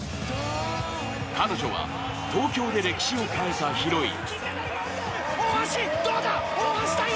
彼女は東京で歴史を変えたヒロイン。